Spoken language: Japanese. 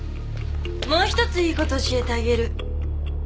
もう１ついいこと教えてあげる。